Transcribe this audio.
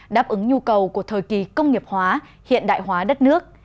đáp ứng nhu cầu của thời kỳ công nghiệp hóa hiện đại hóa đất nước